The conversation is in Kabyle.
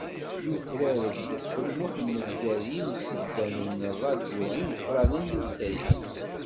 Yufrar-d Ben Muḥemmed gar yimseddan ṛṛadyu imeqṛanen di Lezzayer.